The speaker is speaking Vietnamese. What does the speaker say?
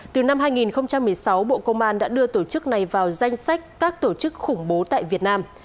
từ năm hai nghìn một mươi sáu bộ công an đã đưa tổ chức này vào danh sách các tổ chức khủng bố tại việt nam